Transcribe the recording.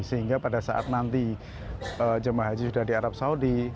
sehingga pada saat nanti jemaah haji sudah di arab saudi